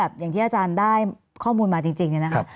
อย่างที่เป็นที่อาจารย์ได้ข้อมูลมาจริง